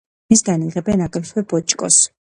მისგან იღებენ აგრეთვე ბოჭკოს.